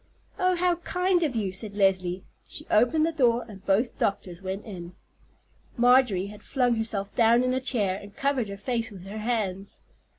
"Oh, how kind of you!" said Leslie. She opened the door, and both doctors went in. Marjorie had flung herself down in a chair, and covered her face with her hands.